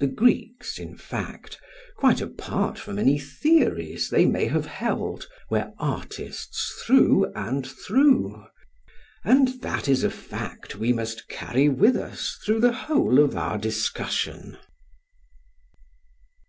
The Greeks, in fact, quite apart from any theories they may have held, were artists through and through; and that is a fact we must carry with us through the whole of our discussion.